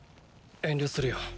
遠慮するよ。